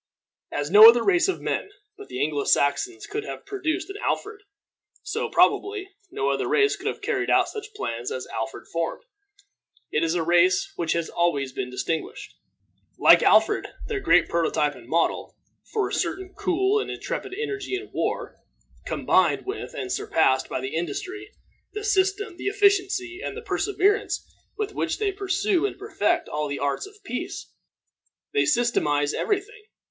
As no other race of men but Anglo Saxons could have produced an Alfred, so, probably, no other race could have carried out such plans as Alfred formed. It is a race which has always been distinguished, like Alfred their great prototype and model, for a certain cool and intrepid energy in war, combined with and surpassed by the industry, the system, the efficiency, and the perseverance with which they pursue and perfect all the arts of peace. They systematize every thing.